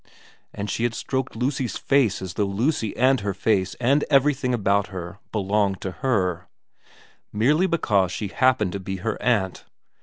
And she had stroked Lucy's face as though Lucy and her face and everything about her belonged to her, merely because she happened to be her aunt.